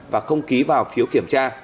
và không ký vào phiếu kiểm tra